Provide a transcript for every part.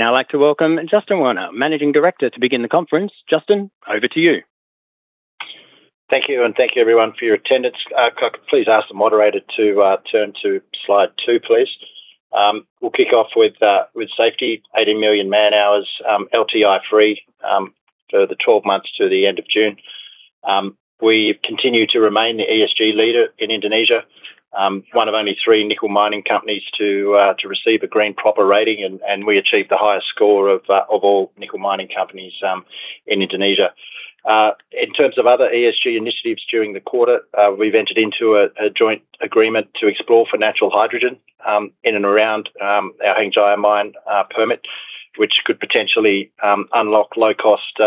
I'd now like to welcome Justin Werner, Managing Director, to begin the conference. Justin, over to you. Thank you, and thank you, everyone, for your attendance. Could I please ask the moderator to turn to slide two, please? We'll kick off with safety. 80 million man-hours, LTI-free for the 12 months to the end of June. We continue to remain the ESG leader in Indonesia, one of only three nickel mining companies to receive a green PROPER rating, and we achieved the highest score of all nickel mining companies in Indonesia. In terms of other ESG initiatives during the quarter, we've entered into a joint agreement to explore for natural hydrogen in and around our Hengjaya Mine permit, which could potentially unlock low-cost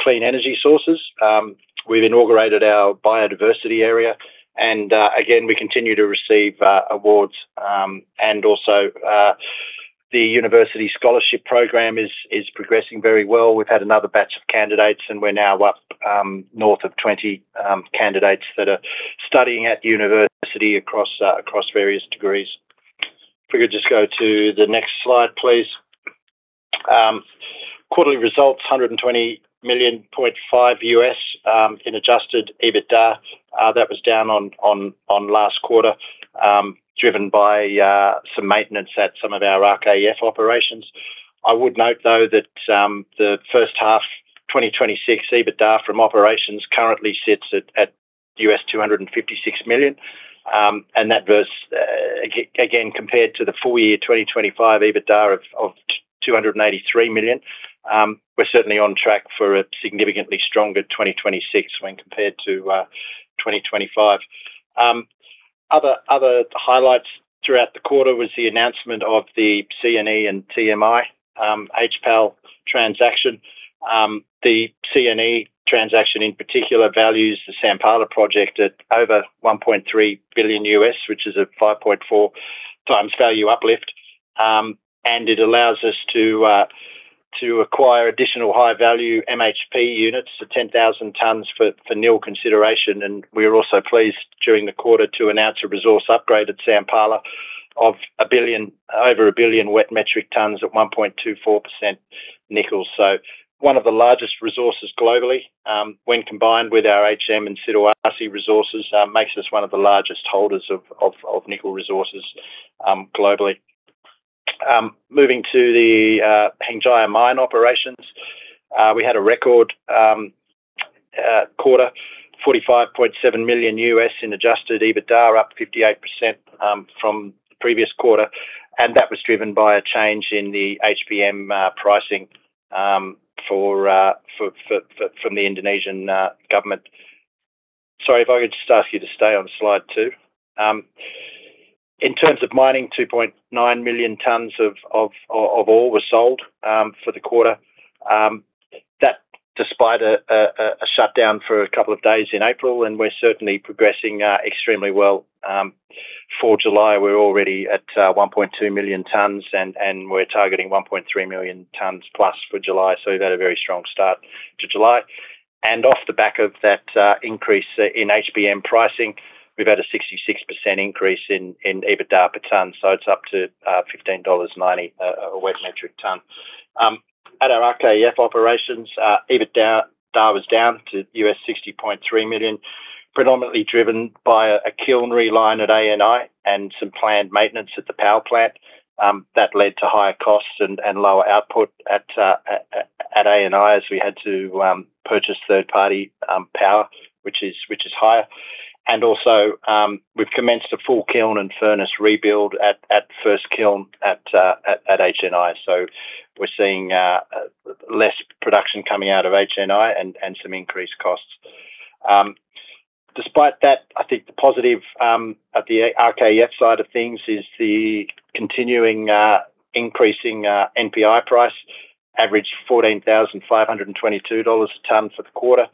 clean energy sources. We've inaugurated our biodiversity area and again, we continue to receive awards. The university scholarship program is progressing very well. We've had another batch of candidates, and we're now up north of 20 candidates that are studying at university across various degrees. If we could just go to the next slide, please. Quarterly results, $120.5 million in adjusted EBITDA. That was down on last quarter, driven by some maintenance at some of our RKEF operations. I would note, though, that the first half 2026 EBITDA from operations currently sits at $256 million, and that versus, again, compared to the full year 2025 EBITDA of $283 million. We're certainly on track for a significantly stronger 2026 when compared to 2025. Other highlights throughout the quarter was the announcement of the CNE and TMI HPAL transaction. The CNE transaction, in particular, values the Sampala project at over $1.3 billion, which is a 5.4x value uplift. It allows us to acquire additional high-value MHP units of 10,000 tonnes for nil consideration. We are also pleased during the quarter to announce a resource upgrade at Sampala of over 1 billion wet metric tonnes at 1.24% nickel. One of the largest resources globally, when combined with our HM and Siduarsi resources, makes us one of the largest holders of nickel resources globally. Moving to the Hengjaya Mine operations. We had a record quarter. $45.7 million in adjusted EBITDA, up 58% from the previous quarter, and that was driven by a change in the HPM pricing from the Indonesian government. Sorry, if I could just ask you to stay on slide two. In terms of mining, 2.9 million tonnes of ore was sold for the quarter. That despite a shutdown for a couple of days in April, we're certainly progressing extremely well. For July, we're already at 1.2 million tonnes, we're targeting 1.3 million tonnes plus for July, we've had a very strong start to July. Off the back of that increase in HPM pricing, we've had a 66% increase in EBITDA per tonne. It's up to $15.90 a wet metric tonne. At our RKEF operations, EBITDA was down to $60.3 million, predominantly driven by a kiln reline at ANI and some planned maintenance at the power plant. That led to higher costs and lower output at ANI, as we had to purchase third-party power, which is higher. Also, we've commenced a full kiln and furnace rebuild at the first kiln at HNI. We're seeing less production coming out of HNI and some increased costs. Despite that, I think the positive at the RKEF side of things is the continuing increasing NPI price. Average $14,522 a tonne for the quarter,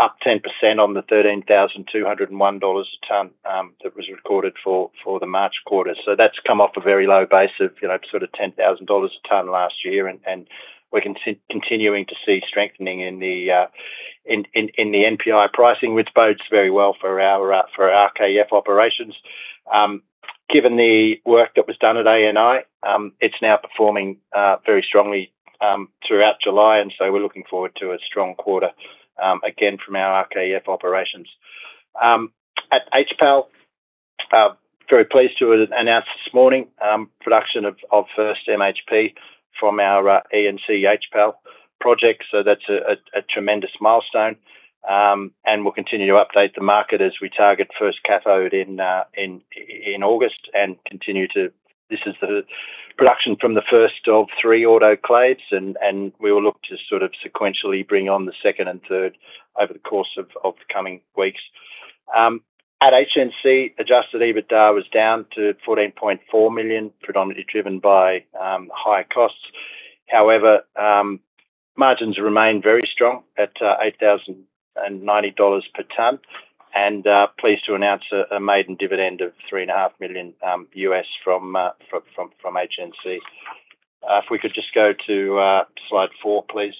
up 10% on the $13,201 a tonne that was recorded for the March quarter. That's come off a very low base of sort of $10,000 a tonne last year, we're continuing to see strengthening in the NPI pricing, which bodes very well for our RKEF operations. Given the work that was done at ANI, it's now performing very strongly throughout July, we're looking forward to a strong quarter again from our RKEF operations. At HPAL, very pleased to have announced this morning production of first MHP from our ENC HPAL project. That's a tremendous milestone. We'll continue to update the market as we target first cathode in August and continue to. This is the production from the first of three autoclaves, we will look to sort of sequentially bring on the second and third over the course of the coming weeks. At HNC, adjusted EBITDA was down to $14.4 million, predominantly driven by higher costs. Margins remain very strong at $8,090 per tonne, pleased to announce a maiden dividend of $3.5 million from HNC. We could just go to slide four, please.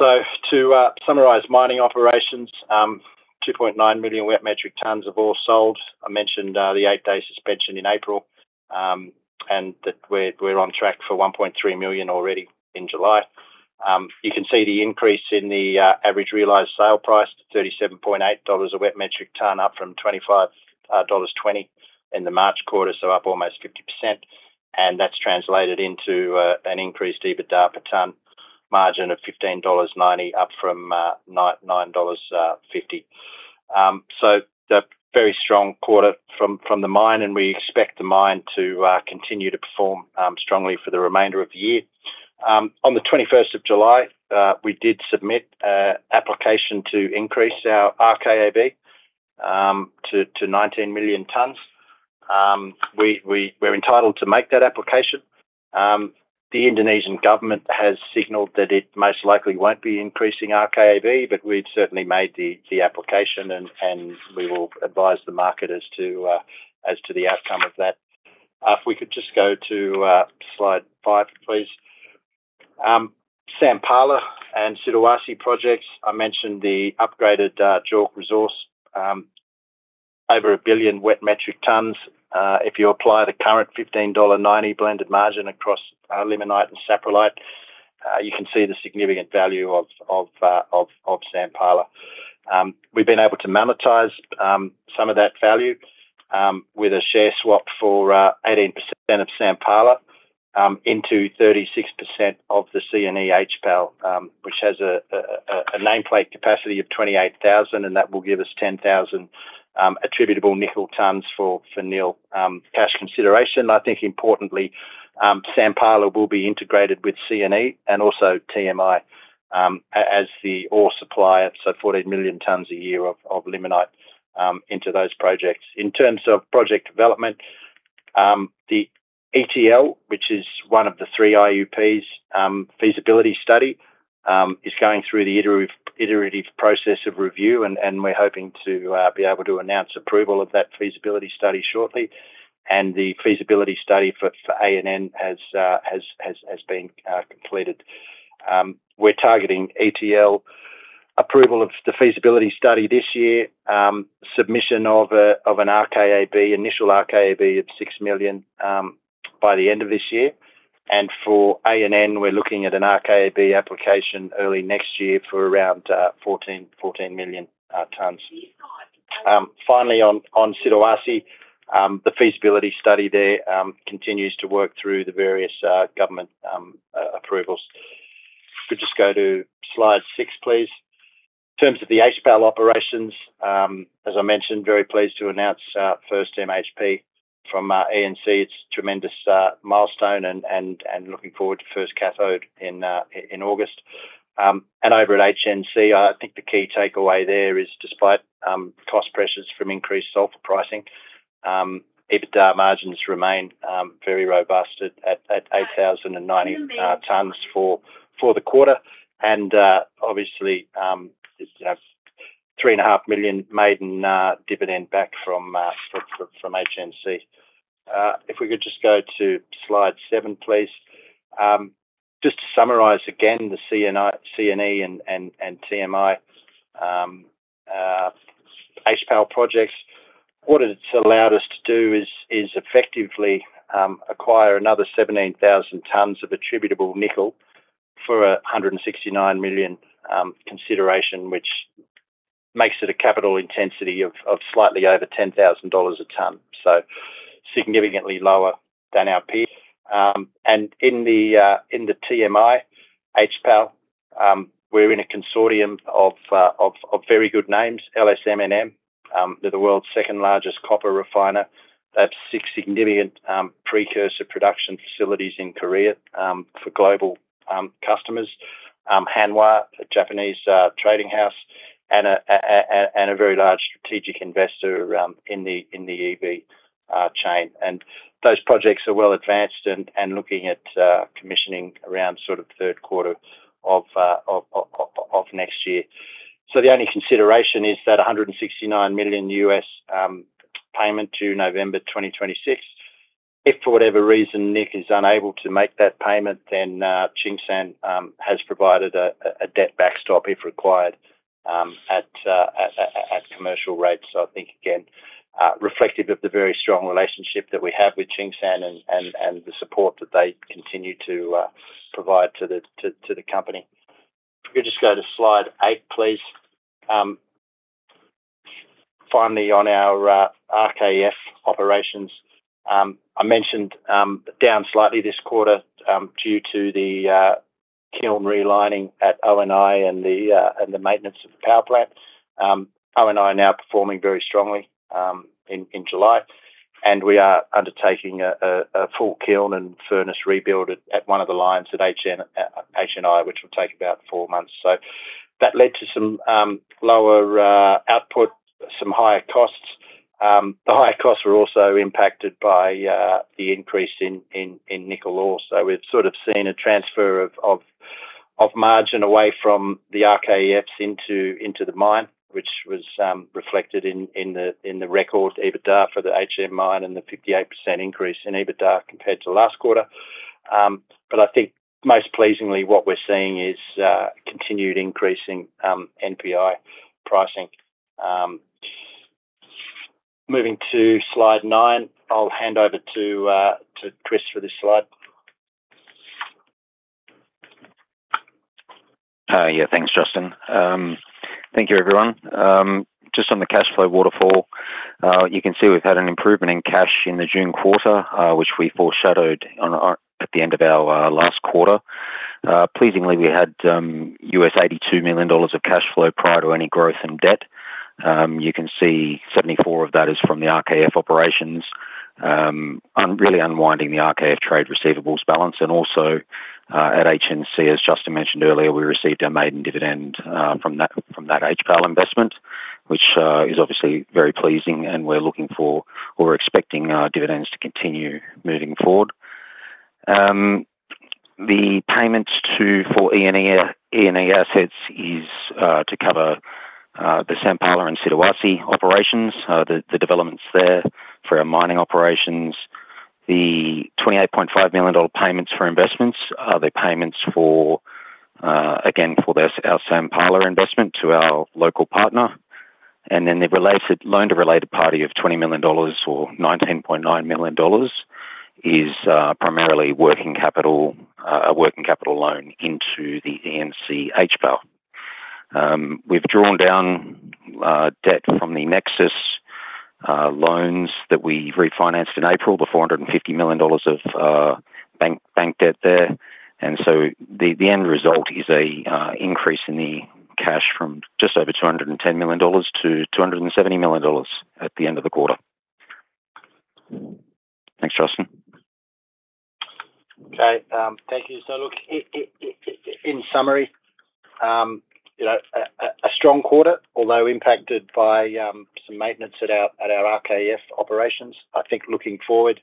To summarize mining operations, 2.9 million wet metric tonnes of ore sold. I mentioned the eight-day suspension in April, that we're on track for 1.3 million already in July. You can see the increase in the average realized sale price, $37.80 a wet metric tonne, up from $25.20 in the March quarter, up almost 50%. That's translated into an increased EBITDA per tonne margin of $15.90 up from $9.50. A very strong quarter from the mine, we expect the mine to continue to perform strongly for the remainder of the year. On the 21st of July, we did submit an application to increase our RKAB to 19 million tonnes. We're entitled to make that application. The Indonesian government has signaled that it most likely won't be increasing RKAB, we'd certainly made the application and we will advise the market as to the outcome of that. We could just go to slide five, please. Sampala and Siduarsi projects. I mentioned the upgraded jaw resource, over 1 billion wet metric tonnes. If you apply the current $15.90 blended margin across limonite and saprolite, you can see the significant value of Sampala. We've been able to monetize some of that value with a share swap for 18% of Sampala, into 36% of the ENC HPAL, which has a nameplate capacity of 28,000, and that will give us 10,000 attributable nickel tonnes for nil cash consideration. Importantly, Sampala will be integrated with ENC and also TMI as the ore supplier, so 14 million tonnes a year of limonite into those projects. In terms of project development, the ETL, which is one of the three IUPs feasibility study, is going through the iterative process of review, and we're hoping to be able to announce approval of that feasibility study shortly. The feasibility study for ANN has been completed. We're targeting ETL approval of the feasibility study this year, submission of an RKAB, initial RKAB of 6 million by the end of this year. For ANN, we're looking at an RKAB application early next year for around 14 million tonnes. Finally, on Siduarsi, the feasibility study there continues to work through the various government approvals. Could we just go to slide six, please? In terms of the HPAL operations, as I mentioned, very pleased to announce first MHP from ENC. It's a tremendous milestone and looking forward to first cathode in August. Over at HNC, I think the key takeaway there is despite cost pressures from increased sulfur pricing, EBITDA margins remain very robust at 8,090 tonnes for the quarter. Obviously, 3.5 million maiden dividend back from HNC. If we could just go to slide seven, please. Just to summarize again, the ENC and TMI HPAL projects. What it's allowed us to do is effectively acquire another 17,000 tonnes of attributable nickel for $169 million consideration, which makes it a capital intensity of slightly over $10,000 a tonne. Significantly lower than our peer. In the TMI HPAL, we're in a consortium of very good names, LS MnM. They're the world's second-largest copper refiner. They have six significant precursor production facilities in Korea, for global customers. Hanwa, a Japanese trading house, and a very large strategic investor in the EV chain. Those projects are well advanced and looking at commissioning around sort of third quarter of next year. The only consideration is that $169 million payment to November 2026. If for whatever reason NIC is unable to make that payment, then Tsingshan has provided a debt backstop if required, at commercial rates. I think again, reflective of the very strong relationship that we have with Tsingshan and the support that they continue to provide to the company. If we could just go to slide eight, please. Finally, on our RKEF operations. I mentioned, down slightly this quarter due to the kiln relining at ONI and the maintenance of the power plant. ONI are now performing very strongly, in July. We are undertaking a full kiln and furnace rebuild at one of the lines at HNI, which will take about four months. That led to some lower output, some higher costs. The higher costs were also impacted by the increase in nickel ore. We've sort of seen a transfer of margin away from the RKEFs into the mine, which was reflected in the record EBITDA for the HM mine and the 58% increase in EBITDA compared to last quarter. I think most pleasingly, what we're seeing is continued increasing NPI pricing- Moving to slide nine. I'll hand over to Chris for this slide. Yeah, thanks, Justin. Thank you, everyone. Just on the cash flow waterfall, you can see we've had an improvement in cash in the June quarter, which we foreshadowed at the end of our last quarter. Pleasingly, we had $82 million of cash flow prior to any growth in debt. You can see $74 million of that is from the RKEF operations. Really unwinding the RKEF trade receivables balance, and also, at HNC, as Justin mentioned earlier, we received our maiden dividend from that HPAL investment, which is obviously very pleasing and we're looking for or expecting dividends to continue moving forward. The payments for E&E assets is to cover the Sampala and Siduarsi operations, the developments there for our mining operations. The $28.5 million payments for investments are the payments for, again, for our Sampala investment to our local partner. The loan to related party of $20 million or $19.9 million is primarily a working capital loan into the ENC HPAL. We've drawn down debt from the Nexus loans that we refinanced in April, the $450 million of bank debt there. The end result is an increase in the cash from just over $210 million to $270 million at the end of the quarter. Thanks, Justin. Okay, thank you. Look, in summary, a strong quarter, although impacted by some maintenance at our RKEF operations. I think looking forward,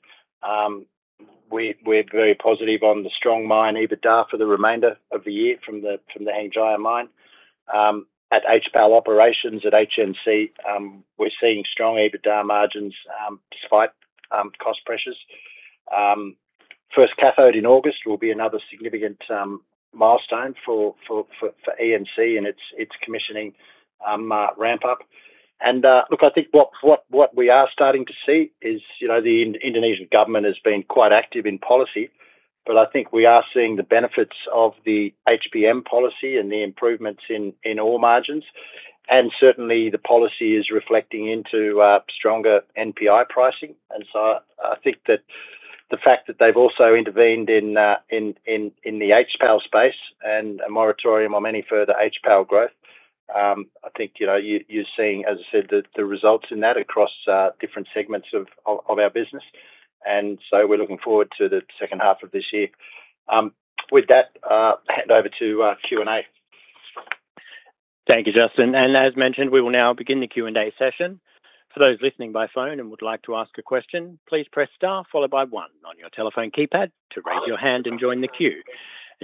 we're very positive on the strong mine EBITDA for the remainder of the year from the Hengjaya Mine. At HPAL operations, at HNC, we're seeing strong EBITDA margins despite cost pressures. First cathode in August will be another significant milestone for ENC and its commissioning ramp up. Look, I think what we are starting to see is the Indonesian government has been quite active in policy, but I think we are seeing the benefits of the HPM policy and the improvements in ore margins, and certainly the policy is reflecting into stronger NPI pricing. I think that the fact that they've also intervened in the HPAL space and a moratorium on any further HPAL growth, I think you're seeing, as I said, the results in that across different segments of our business. We're looking forward to the second half of this year. With that, hand over to Q&A. Thank you, Justin. As mentioned, we will now begin the Q&A session. For those listening by phone and would like to ask a question, please press star followed by one on your telephone keypad to raise your hand and join the queue.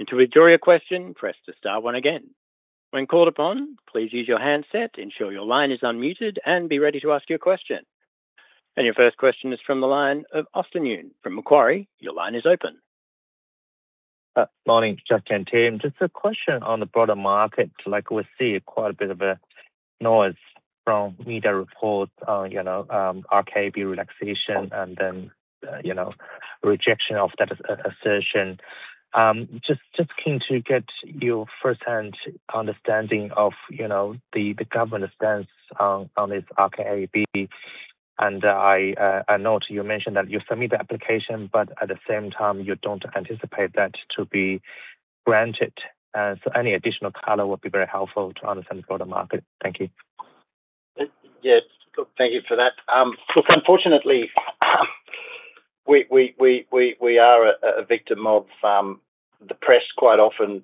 To withdraw your question, press the star one again. When called upon, please use your handset, ensure your line is unmuted, and be ready to ask your question. Your first question is from the line of Austin Yoon from Macquarie. Your line is open. Morning, Justin and team. Just a question on the broader market. We see quite a bit of a noise from media reports on RKAB relaxation and then rejection of that assertion. Just keen to get your first-hand understanding of the government's stance on this RKAB. I note you mentioned that you submit the application, but at the same time you don't anticipate that to be granted. Any additional color would be very helpful to understand the broader market. Thank you. Yeah. Look, thank you for that. Look, unfortunately, we are a victim of the press quite often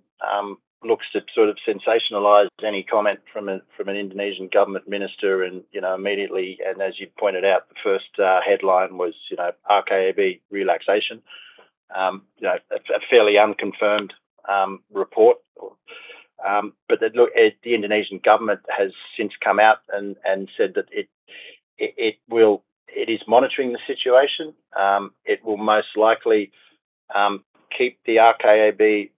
looks to sort of sensationalize any comment from an Indonesian government minister and immediately, and as you pointed out, the first headline was RKAB relaxation. A fairly unconfirmed report. Look, the Indonesian government has since come out and said that it is monitoring the situation. It will most likely keep the RKAB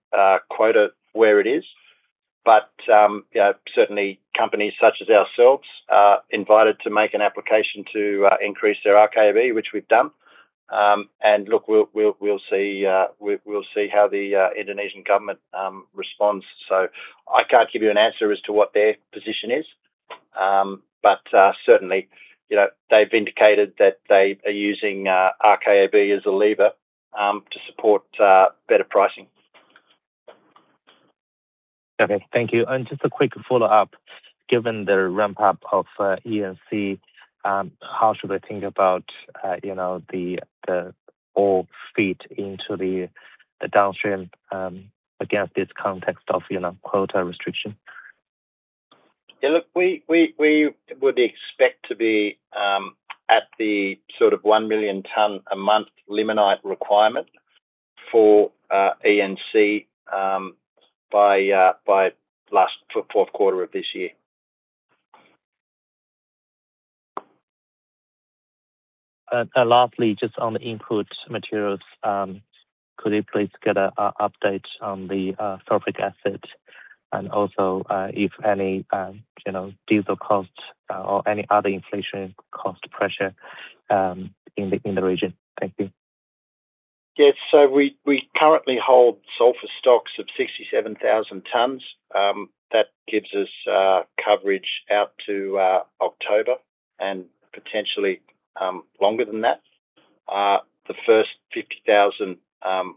quota where it is. Certainly companies such as ourselves are invited to make an application to increase their RKAB, which we've done. I can't give you an answer as to what their position is. Certainly they've indicated that they are using RKAB as a lever to support better pricing. Okay, thank you. Just a quick follow-up, given the ramp up of ENC, how should I think about the ore feed into the downstream against this context of quota restriction? Yeah, look, we would expect to be at the sort of 1 million tonnes a month limonite requirement for ENC by fourth quarter of this year. Lastly, just on the input materials, could we please get an update on the sulfuric acid and also if any diesel costs or any other inflation cost pressure in the region? Thank you. Yes. We currently hold sulfur stocks of 67,000 tonnes. That gives us coverage out to October and potentially longer than that. The first 50,000 tonnes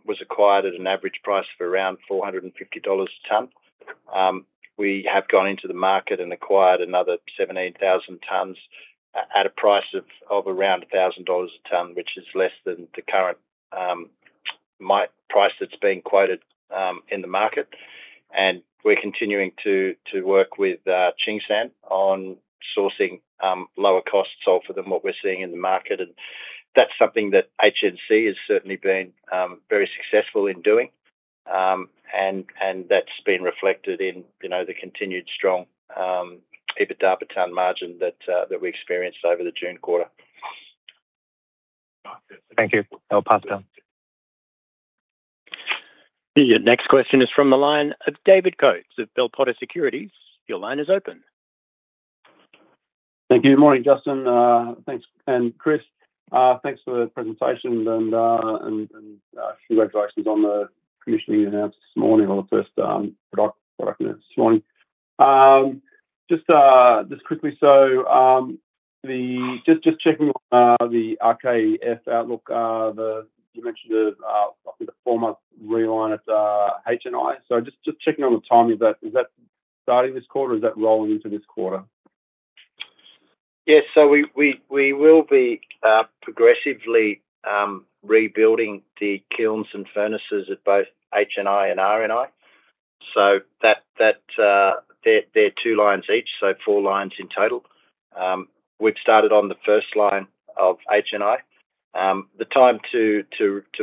was acquired at an average price of around $450 a tonne. We have gone into the market and acquired another 17,000 tonnes at a price of around $1,000 a tonne, which is less than the current price that is being quoted in the market. We are continuing to work with Tsingshan on sourcing lower cost sulfur than what we are seeing in the market. That is something that HNC has certainly been very successful in doing. That has been reflected in the continued strong EBITDA per tonne margin that we experienced over the June quarter. Thank you. I'll pass it on. The next question is from the line of David Coates of Bell Potter Securities. Your line is open. Thank you. Morning, Justin. Thanks. Chris, thanks for the presentation and congratulations on the commissioning you announced this morning on the first product this morning. Just quickly, just checking on the RKEF outlook, you mentioned, I think the four-month reline at HNI. Just checking on the timing, is that starting this quarter, or is that rolling into this quarter? We will be progressively rebuilding the kilns and furnaces at both HNI and RNI. They're two lines each, so four lines in total. We've started on the 1st line of HNI. The time to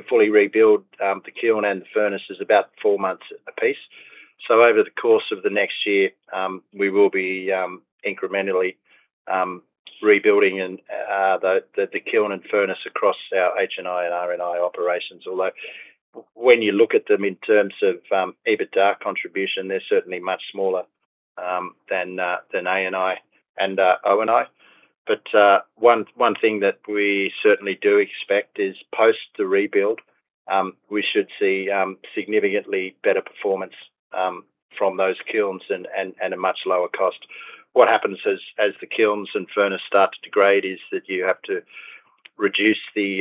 fully rebuild the kiln and the furnace is about four months apiece. Over the course of the next year, we will be incrementally rebuilding the kiln and furnace across our HNI and RNI operations, although when you look at them in terms of EBITDA contribution, they're certainly much smaller than ANI and ONI. One thing that we certainly do expect is post the rebuild, we should see significantly better performance from those kilns and a much lower cost. What happens as the kilns and furnace start to degrade is that you have to reduce the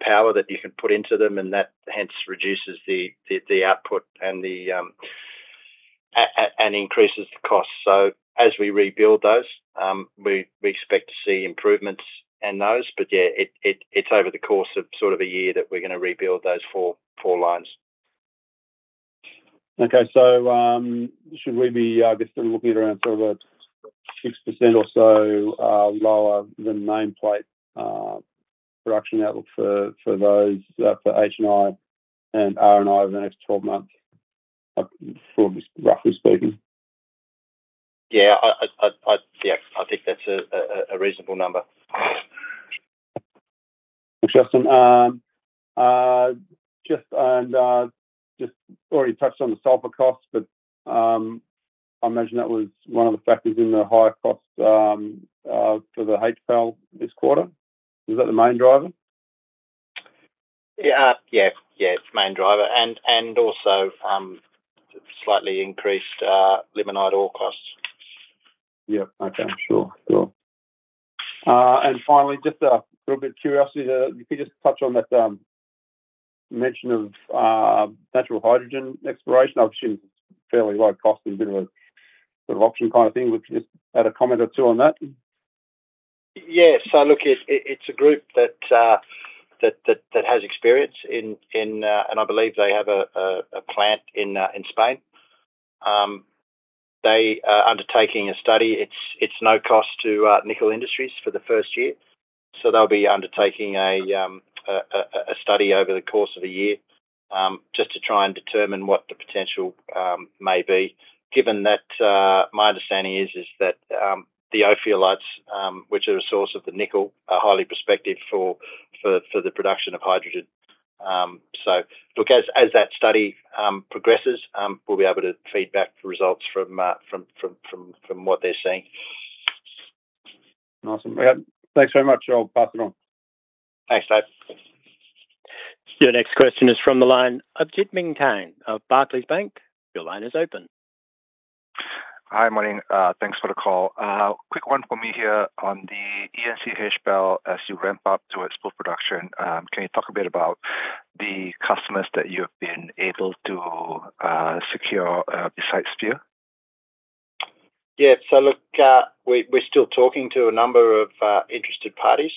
power that you can put into them, that hence reduces the output and increases the cost. As we rebuild those, we expect to see improvements in those. Yeah, it's over the course of sort of a year that we're going to rebuild those four lines. Should we be just sort of looking at around sort of a 6% or so lower than nameplate production outlook for those, for HNI and RNI over the next 12 months, roughly speaking? Yeah. I think that's a reasonable number. Thanks, Justin. Just already touched on the sulfur cost, I imagine that was one of the factors in the higher cost for the HPAL this quarter. Is that the main driver? Yeah. It's the main driver and also slightly increased limonite ore costs. Yeah. Okay. Sure. Finally, just a little bit curiosity, if you could just touch on that mention of natural hydrogen exploration. Obviously, it's fairly low cost and a bit of a sort of option kind of thing. Would you just add a comment or two on that? Yeah. Look, it's a group that has experience, and I believe they have a plant in Spain. They are undertaking a study. It's no cost to Nickel Industries for the first year. They'll be undertaking a study over the course of a year, just to try and determine what the potential may be, given that my understanding is that the ophiolites, which are a source of the nickel, are highly prospective for the production of hydrogen. Look, as that study progresses, we'll be able to feed back the results from what they're seeing. Awesome. Yeah. Thanks very much. I'll pass it on. Thanks, Dave. Your next question is from the line of Jit Ming Tan of Barclays Bank. Your line is open. Hi. Morning. Thanks for the call. Quick one for me here on the ENC HPAL as you ramp up towards full production. Can you talk a bit about the customers that you have been able to secure besides Sphere? Yeah. Look, we're still talking to a number of interested parties,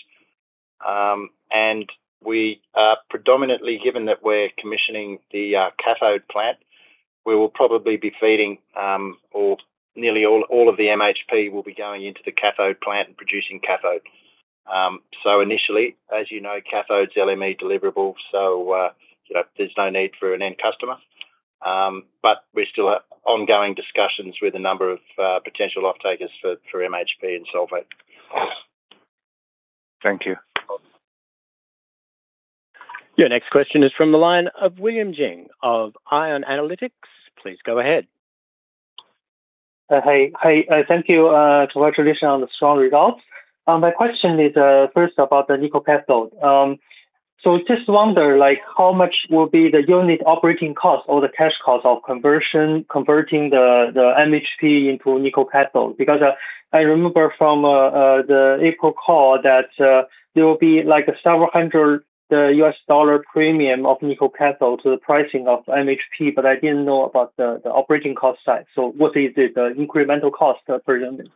and we are predominantly given that we're commissioning the cathode plant, we will probably be feeding, or nearly all of the MHP will be going into the cathode plant and producing cathodes. Initially, as you know, cathode is LME deliverable, so there's no need for an end customer. We still have ongoing discussions with a number of potential off-takers for MHP and sulfate. Thank you. Your next question is from the line of [William Jing] of ION Analytics. Please go ahead. Hey. Thank you to our tradition on the strong results. My question is first about the nickel cathode. Just wonder how much will be the unit operating cost or the cash cost of converting the MHP into nickel cathode. I remember from the April call that there will be a several hundred U.S. dollar premium of nickel cathode to the pricing of MHP, but I didn't know about the operating cost side. What is it, the incremental cost per unit?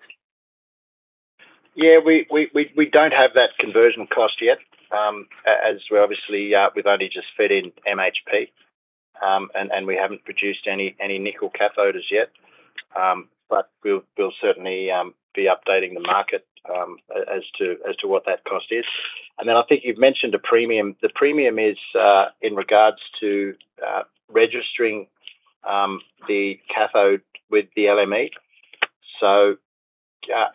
We don't have that conversion cost yet, as obviously we've only just fed in MHP, and we haven't produced any nickel cathodes yet. We'll certainly be updating the market as to what that cost is. I think you've mentioned a premium. The premium is in regards to registering the cathode with the LME.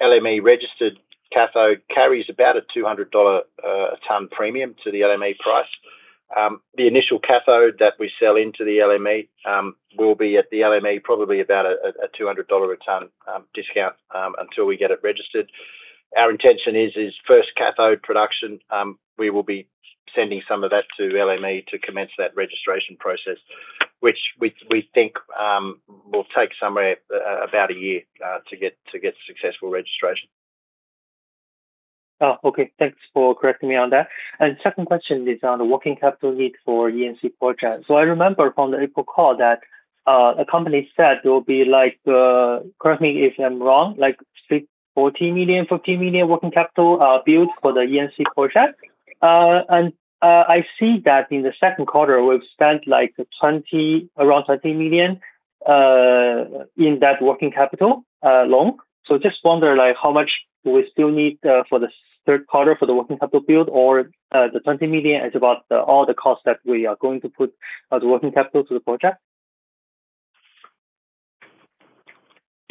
LME-registered cathode carries about a $200 a tonne premium to the LME price. The initial cathode that we sell into the LME will be at the LME probably about a $200 a tonne discount until we get it registered. Our intention is first cathode production, we will be sending some of that to LME to commence that registration process, which we think will take somewhere about a year to get successful registration. Okay. Thanks for correcting me on that. Second question is on the working capital need for ENC project. I remember from the April call that the company said there will be, correct me if I'm wrong, $40 million-$50 million working capital build for the ENC project. I see that in the second quarter, we've spent around $20 million in that working capital loan. Just wonder how much do we still need for the third quarter for the working capital build or the $20 million is about all the cost that we are going to put as working capital to the project?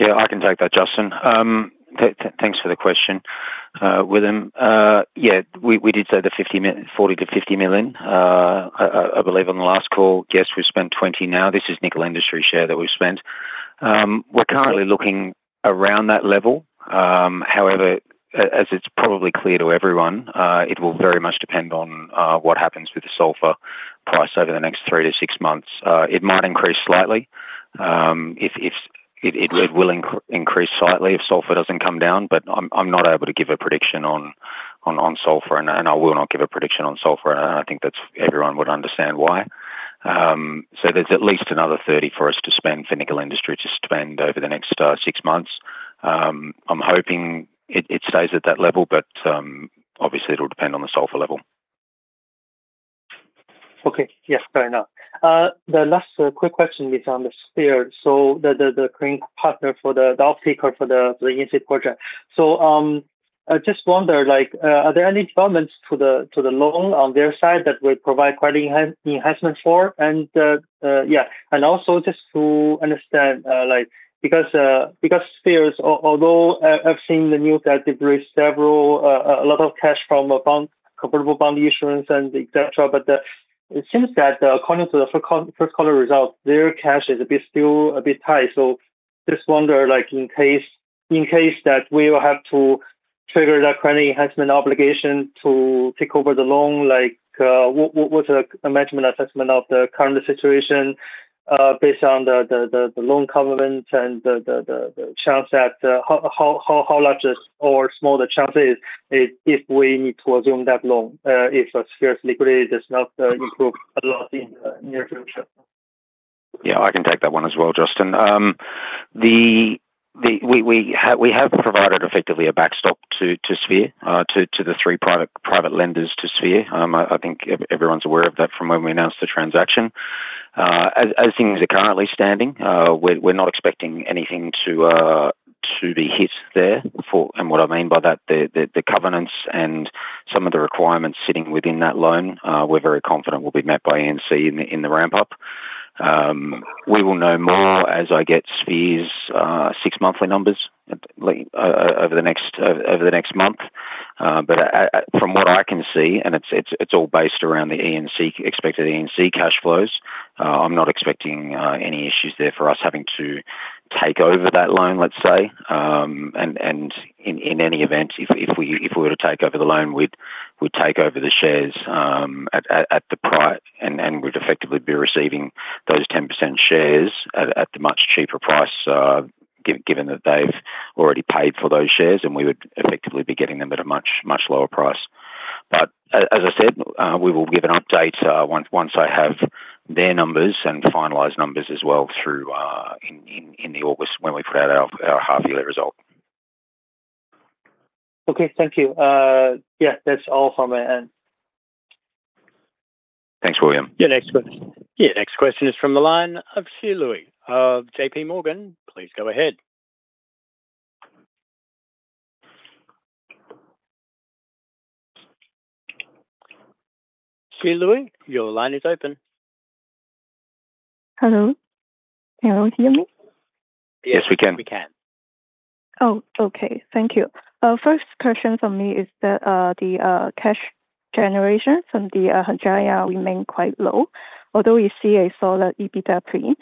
I can take that, Justin. Thanks for the question, William. We did say the $40 million-$50 million, I believe on the last call. Yes, we've spent $20 million now. This is Nickel Industries' share that we've spent. We're currently looking around that level. As it's probably clear to everyone, it will very much depend on what happens with the sulfur price over the next three to six months. It will increase slightly if sulfur doesn't come down, I'm not able to give a prediction on sulfur, and I will not give a prediction on sulfur. I think everyone would understand why. There's at least another $30 million for us to spend for Nickel Industries to spend over the next six months. I'm hoping it stays at that level, obviously it'll depend on the sulfur level. Okay. Fair enough. The last quick question is on Sphere. The current partner for the off-taker for the ENC project. I just wonder, are there any developments to the loan on their side that will provide credit enhancement for? Also just to understand, because Sphere, although I've seen the news that they've raised a lot of cash from convertible bond issuance and et cetera, it seems that according to the first quarter results, their cash is still a bit tight. Just wonder, in case that we will have to trigger that credit enhancement obligation to take over the loan, what's a management assessment of the current situation, based on the loan covenant and the chance that, how large or small the chance is if we need to assume that loan, if Sphere's liquidity does not improve a lot in the near future? I can take that one as well, Justin. We have provided effectively a backstop to Sphere, to the three private lenders to Sphere. I think everyone's aware of that from when we announced the transaction. As things are currently standing, we're not expecting anything to be hit there. What I mean by that, the covenants and some of the requirements sitting within that loan, we're very confident will be met by ENC in the ramp-up. We will know more as I get Sphere's six-monthly numbers over the next month. From what I can see, and it's all based around the expected ENC cash flows, I'm not expecting any issues there for us having to take over that loan, let's say. In any event, if we were to take over the loan, we'd take over the shares at the price and we'd effectively be receiving those 10% shares at the much cheaper price, given that they've already paid for those shares and we would effectively be getting them at a much lower price. As I said, we will give an update once I have their numbers and finalized numbers as well through in August when we put out our half yearly result. Okay. Thank you. Yeah, that's all from my end. Thanks, William. Yeah. Next question is from the line of Xiao Liu of JPMorgan. Please go ahead. Xiao Liu, your line is open. Hello. Can you hear me? Yes, we can. We can. Oh, okay. Thank you. First question from me is that the cash generation from the Hengjaya remain quite low, although you see a solid EBITDA increase.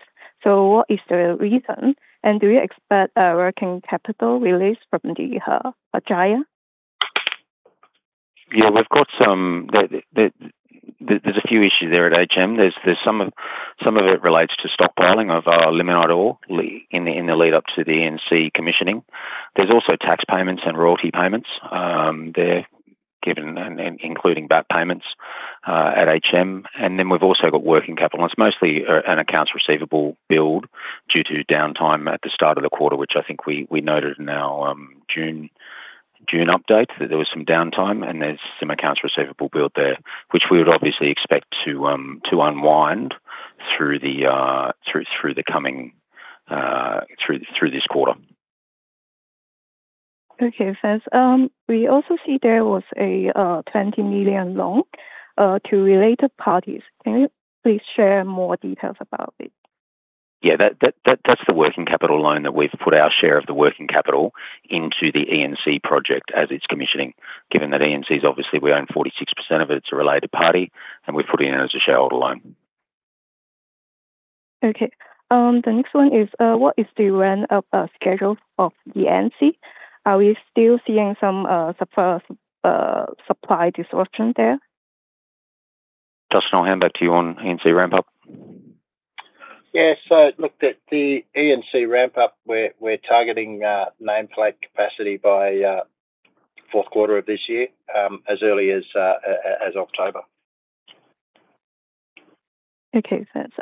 What is the reason, and do you expect a working capital release from the Hengjaya? Yeah, there's a few issues there at HM. Some of it relates to stockpiling of our limonite ore in the lead up to the ENC commissioning. There's also tax payments and royalty payments. They're given, including back payments, at HM. We've also got working capital. It's mostly an accounts receivable build due to downtime at the start of the quarter, which I think we noted in our June update, that there was some downtime and there's some accounts receivable build there, which we would obviously expect to unwind through this quarter. Okay, thanks. We also see there was a $20 million loan to related parties. Can you please share more details about it? Yeah, that's the working capital loan that we've put our share of the working capital into the ENC project as it's commissioning. Given that ENC's, obviously, we own 46% of it's a related party, we've put in as a shareholder loan. Okay. The next one is, what is the ramp-up schedule of ENC? Are we still seeing some supply disruption there? Justin, I'll hand back to you on ENC ramp-up. Look, the ENC ramp-up, we're targeting nameplate capacity by fourth quarter of this year, as early as October. Okay, thanks.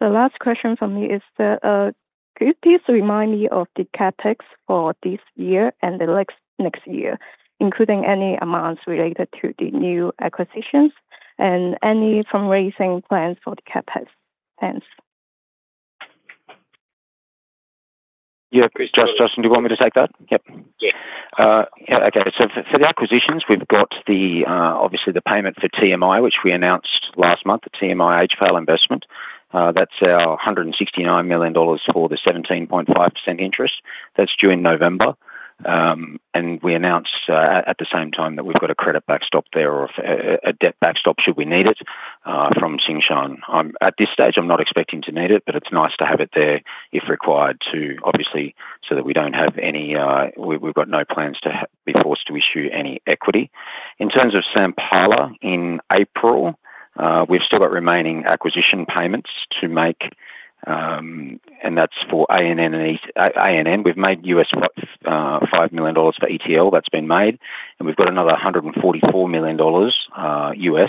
The last question from me is that, could you please remind me of the CapEx for this year and the next year, including any amounts related to the new acquisitions and any fundraising plans for the CapEx? Thanks. Yeah. Justin, do you want me to take that? Yep. Yeah. For the acquisitions, we've got obviously the payment for TMI, which we announced last month, the TMI HPAL investment. That's our $169 million for the 17.5% interest that's due in November. We announced at the same time that we've got a credit backstop there or a debt backstop should we need it from Tsingshan. At this stage, I'm not expecting to need it's nice to have it there if required too, obviously, that we've got no plans to be forced to issue any equity. In terms of Sampala in April, we've still got remaining acquisition payments to make, that's for ANN. We've made $5 million for ETL, that's been made. We've got another $144 million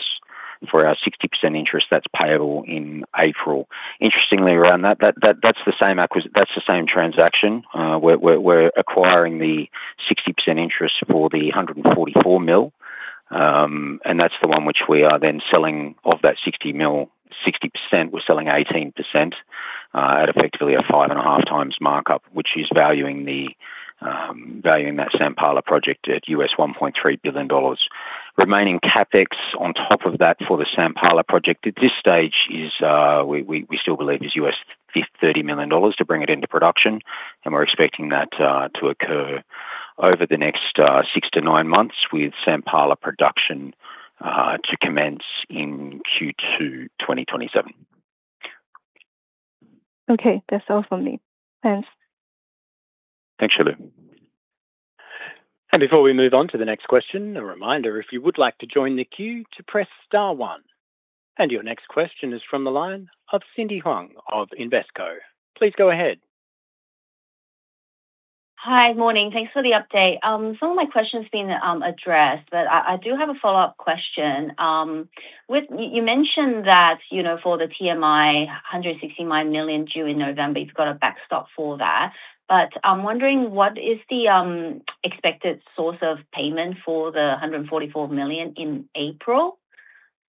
for our 60% interest that's payable in April. Interestingly around that's the same transaction. We're acquiring the 60% interest for the $144 million, that's the one which we are then selling of that 60%, we're selling 18% at effectively a 5.5x markup, which is valuing that Sampala project at $1.3 billion. Remaining CapEx on top of that for the Sampala project at this stage is, we still believe, is $30 million to bring it into production, we're expecting that to occur over the next six to nine months with Sampala production to commence in Q2 2027. That's all from me. Thanks. Thanks, Xiao Liu. Before we move on to the next question, a reminder, if you would like to join the queue, to press star one. Your next question is from the line of Cindy Huang of Invesco. Please go ahead. Hi. Morning. Thanks for the update. Some of my question's been addressed. I do have a follow-up question. You mentioned that for the TMI, $169 million due in November, it's got a backstop for that. I'm wondering, what is the expected source of payment for the $144 million in April?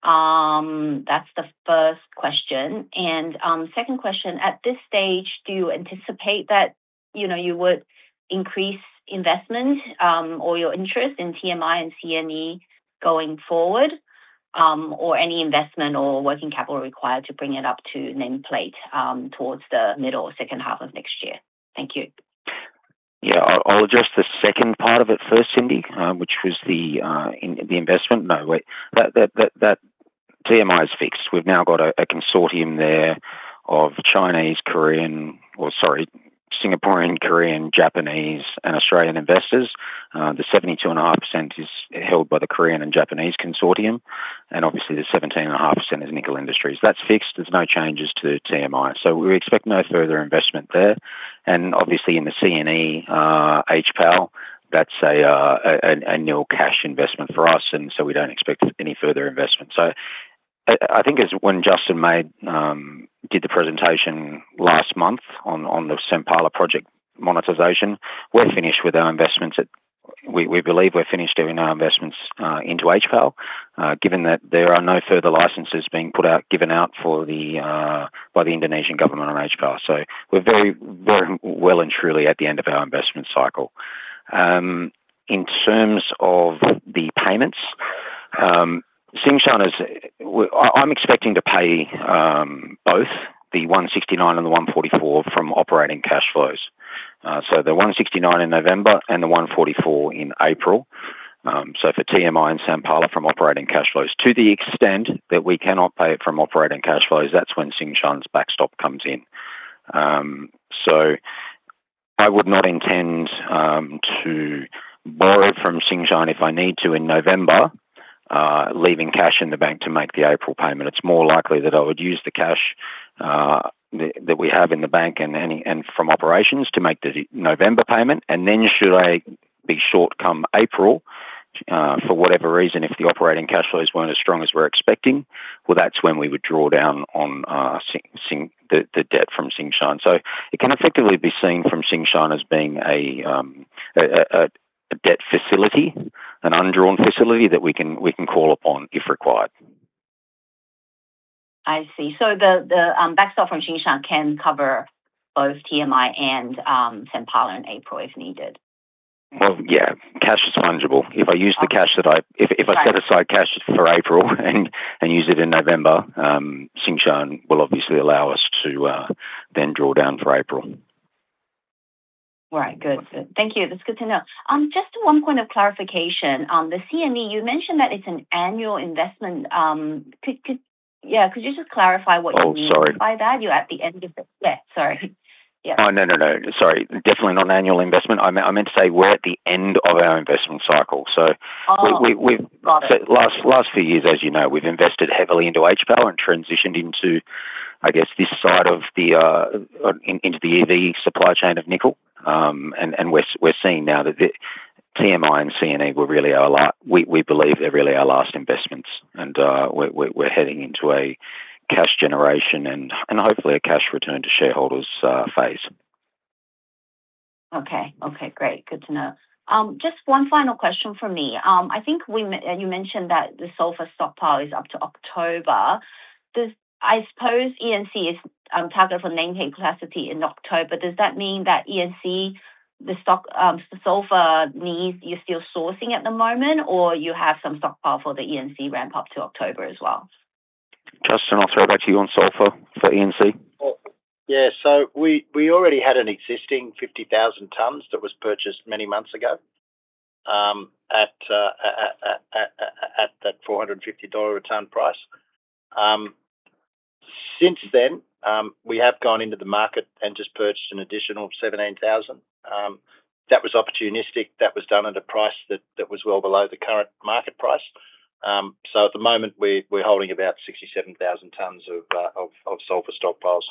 That's the first question. Second question, at this stage, do you anticipate that you would increase investment or your interest in TMI and CNE going forward? Or any investment or working capital required to bring it up to nameplate towards the middle or second half of next year? Thank you. I'll address the second part of it first, Cindy, which was the investment. No. That TMI is fixed. We've now got a consortium there of Chinese, Singaporean, Korean, Japanese, and Australian investors. The 72.5% is held by the Korean and Japanese consortium, and obviously the 17.5% is Nickel Industries. That's fixed. There's no changes to TMI. We expect no further investment there. In the CNE HPAL, that's an annual cash investment for us. We don't expect any further investment. I think when Justin did the presentation last month on the Sampala Project monetization, we believe we're finished doing our investments into HPAL. Given that there are no further licenses being given out by the Indonesian government on HPAL. We're very well and truly at the end of our investment cycle. In terms of the payments, I'm expecting to pay both the $169 million and the $144 million from operating cash flows. The $169 million in November and the $144 million in April. For TMI and Sampala from operating cash flows. To the extent that we cannot pay it from operating cash flows, that's when Tsingshan's backstop comes in. I would not intend to borrow from Tsingshan if I need to in November, leaving cash in the bank to make the April payment. It's more likely that I would use the cash that we have in the bank and from operations to make the November payment. Should I be short come April, for whatever reason, if the operating cash flows weren't as strong as we're expecting, that's when we would draw down on the debt from Tsingshan. It can effectively be seen from Tsingshan as being a debt facility, an undrawn facility that we can call upon if required. I see. The backstop from Tsingshan can cover both TMI and Sampala in April if needed? Well, yeah. Cash is fungible. If I set aside cash for April and use it in November, Tsingshan will obviously allow us to then draw down for April. Right. Good. Thank you. That's good to know. Just one point of clarification. On the CNE, you mentioned that it's an annual investment. Could you just clarify what you mean? Oh, sorry. -by that? You at the end of the. Yeah, sorry. Yeah. No, no. Sorry. Definitely not an annual investment. I meant to say we're at the end of our investment cycle. Oh. Last few years, as you know, we've invested heavily into HPAL and transitioned into, I guess, this side of the EV supply chain of nickel. We're seeing now that the TMI and CNE, we believe they're really our last investments and we're heading into a cash generation and hopefully a cash return to shareholders phase. Okay. Great. Good to know. Just one final question from me. I think you mentioned that the sulfur stockpile is up to October. I suppose ENC is targeted for nameplate capacity in October. Does that mean that ENC, the sulfur needs, you're still sourcing at the moment, or you have some stockpile for the ENC ramp up to October as well? Justin, I'll throw back to you on sulfur for ENC. Yeah. We already had an existing 50,000 tonnes that was purchased many months ago, at that $450 a tonne price. Since then, we have gone into the market and just purchased an additional 17,000 tonnes. That was opportunistic. That was done at a price that was well below the current market price. At the moment, we're holding about 67,000 tonnes of sulfur stockpiles.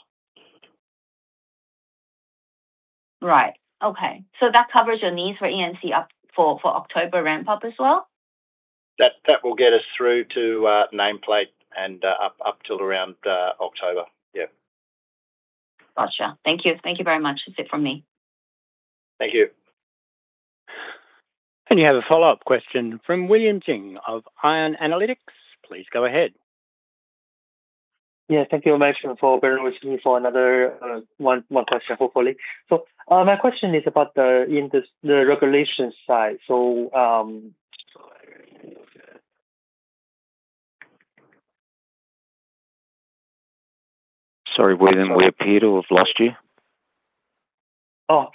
Right. Okay. That covers your needs for ENC up for October ramp up as well? That will get us through to nameplate and up till around October. Yeah. Got you. Thank you. Thank you very much. That's it from me. Thank you. You have a follow-up question from [William Jing] of ION Analytics. Please go ahead. Yeah. Thank you very much for allowing me for another one question, hopefully. My question is about the regulation side. Sorry, William. We appear to have lost you.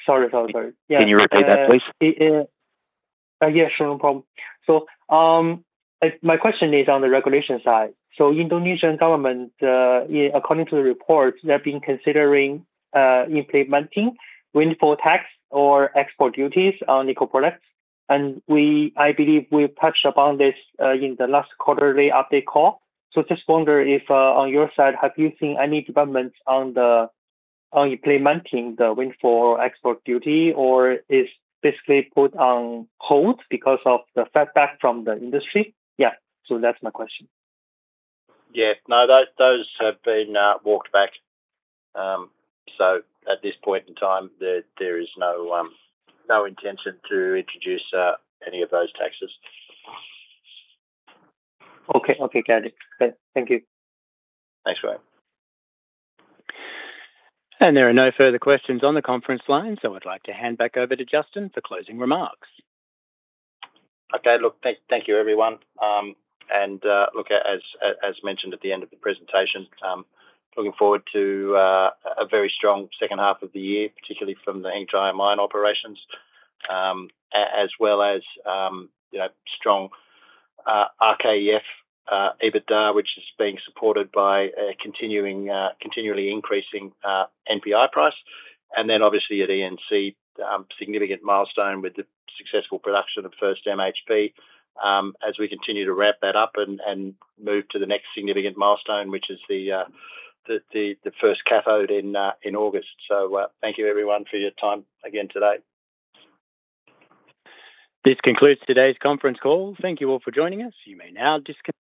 Sorry. Yeah. Can you repeat that, please? Yeah, sure. No problem. My question is on the regulation side. Indonesian government, according to the report, they've been considering implementing windfall tax or export duties on nickel products. I believe we touched upon this in the last quarterly update call. Just wonder if, on your side, have you seen any developments on implementing the windfall export duty, or it's basically put on hold because of the feedback from the industry? Yeah. That's my question. Yeah. No, those have been walked back. At this point in time, there is no intention to introduce any of those taxes. Okay. Got it. Great. Thank you. Thanks, William. There are no further questions on the conference line. I'd like to hand back over to Justin for closing remarks. Okay. Look, thank you, everyone. Look, as mentioned at the end of the presentation, looking forward to a very strong second half of the year, particularly from the Hengjaya Mine operations, as well as strong RKEF EBITDA, which is being supported by a continually increasing NPI price. Obviously at ENC, significant milestone with the successful production of first MHP, as we continue to wrap that up and move to the next significant milestone, which is the first cathode in August. Thank you everyone for your time again today. This concludes today's conference call. Thank you all for joining us. You may now disconnect.